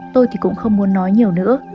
tôi thì cũng không muốn nói nhiều nữa